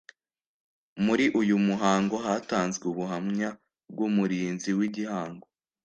Muri uyu muhango hatanzwe ubuhamya bw umurinzi w’ igihango